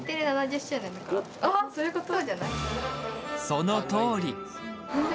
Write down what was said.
そのとおり！